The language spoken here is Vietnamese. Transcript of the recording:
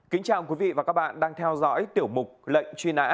kính chào quý vị và các bạn đang theo dõi tiểu mục lệnh truy nã